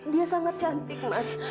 dia sangat cantik mas